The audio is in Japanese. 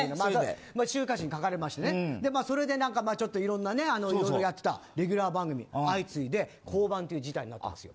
週刊誌に書かれましてね、それでいろいろやってたレギュラー番組、相次いで降板という事態になったんです。